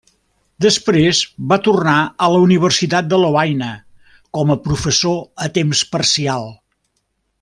Després va tornar a la Universitat de Lovaina com a professor a temps parcial.